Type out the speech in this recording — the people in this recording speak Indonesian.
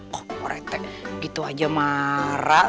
kok pak rt gitu aja marah